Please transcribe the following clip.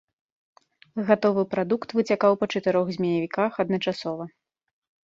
Гатовы прадукт выцякаў па чатырох змеявіках адначасова.